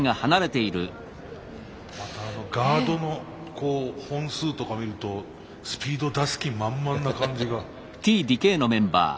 またあのガードの本数とか見るとスピード出す気満々な感じが。